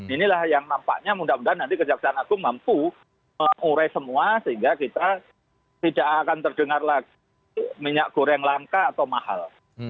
inilah yang nampaknya mudah mudahan nanti kejaksaan agung mampu mengurai semua sehingga kita tidak akan terdengar lagi minyak goreng langka atau mahal